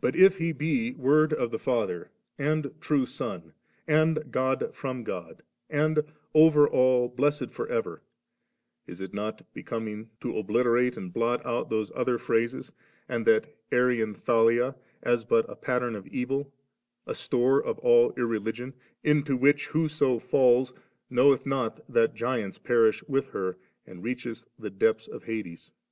But if He be Word of the Father and true Son, and God firom God, and *over all blessed for ever 7/ is it not be coming to obliterate and blot out those other phrases and that Arian Thalia, as but a pat tern of evil, a store of all irreligion, mto which, whoso falls, *knoweth not that giants perish with her, and reacheth the depths of Hades «?